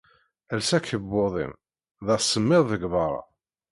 Els akebbuḍ-im. D asemmiḍ deg beṛṛa.